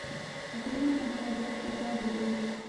عطرونه د ښه مجلس فضا جوړوي.